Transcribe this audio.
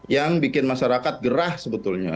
yang bikin masyarakat gerah sebetulnya